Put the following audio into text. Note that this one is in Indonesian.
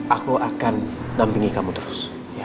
aku akan dampingi kamu terus